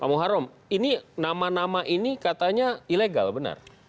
pak muharrem ini nama nama ini katanya ilegal benar